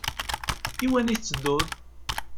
Iwani teteddut?